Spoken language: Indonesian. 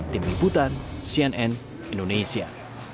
tim liputan cnn indonesia